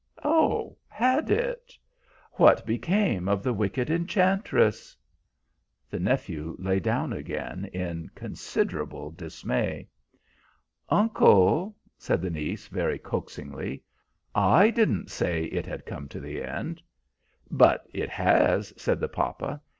"Oh, had it? What became of the wicked enchantress?" The nephew lay down again, in considerable dismay. "Uncle," said the niece, very coaxingly, "I didn't say it had come to the end." "But it has," said the papa.